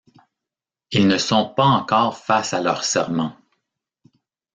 Ils ne sont pas encore face à leur serment.